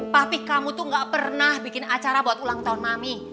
tapi kamu tuh gak pernah bikin acara buat ulang tahun mami